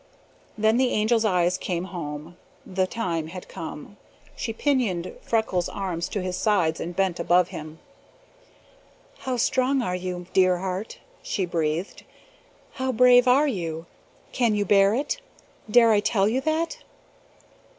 Then the Angel's eyes came home. The time had come. She pinioned Freckles' arms to his sides and bent above him. "How strong are you, dear heart?" she breathed. "How brave are you? Can you bear it? Dare I tell you that?"